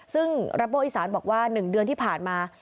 ซึ่งรัปโบอีสานบอกว่า๑เดือนที่ผ่านมา